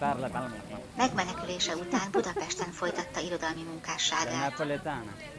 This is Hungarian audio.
Megmenekülése után Budapesten folytatta irodalmi munkásságát.